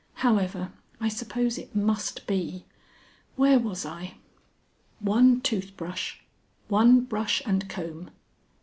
However, I suppose it must be. Where was I?)" "_1 Toothbrush. 1 Brush and Comb.